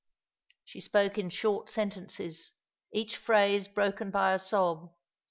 She spoke in short sentences, each phrase broken by a sob.